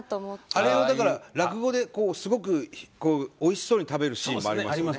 あれをだから落語でこうすごくこうおいしそうに食べるシーンもありますよね。